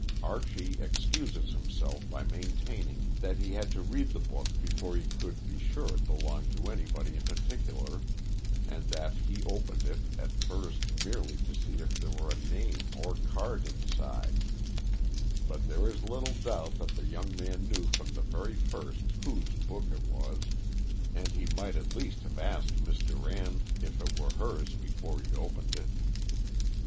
Archie excuses himself by maintaining that he had to read the book before he could be sure it belonged to anybody in particular, and that he opened it at first merely to see if there were a name or card inside; but there is little doubt that the young man knew from the very first whose book it was, and he might at least have asked Miss Durand if it were hers before he opened it.